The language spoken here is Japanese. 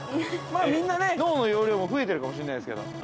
◆みんなね、脳の容量も増えてるかもしれないですけど。